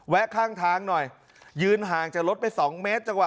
ข้างทางหน่อยยืนห่างจากรถไป๒เมตรจังหว